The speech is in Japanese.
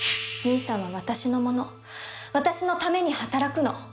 兄さんは私のもの私のために働くの